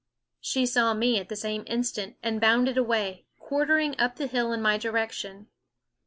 She saw me at the same instant and bounded away, quarter ing up the hill in my direction.